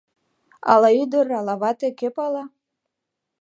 Ала ӱдыр, ала вате — кӧ пала.